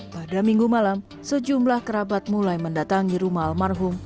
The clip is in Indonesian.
pada minggu malam sejumlah kerabat mulai mendatangi rumah almarhum